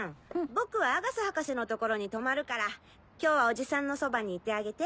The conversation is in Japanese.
僕は阿笠博士のところに泊まるから今日はおじさんのそばにいてあげて。